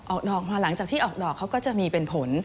ดอกมาหลังจากที่ออกดอกเขาก็จะมีเป็นผล